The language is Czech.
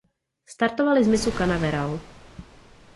Startovali z mysu Canaveral.